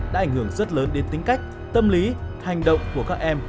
đã ảnh hưởng rất lớn đến tính cách tâm lý hành động của các em